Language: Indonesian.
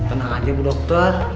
tenang aja bu dokter